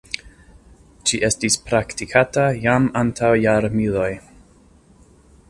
Ĝi estis praktikata jam antaŭ jarmiloj.